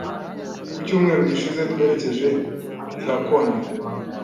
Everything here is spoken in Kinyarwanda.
Ku cyumweru gishize, twerekeje i Hakone.